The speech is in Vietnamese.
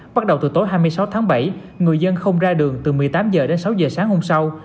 bắt đầu từ tối hai mươi sáu tháng bảy người dân không ra đường từ một mươi tám h đến sáu h sáng hôm sau